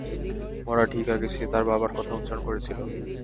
মরার ঠিক আগে সে তার বাবার কথা উচ্চারণ করেছিল।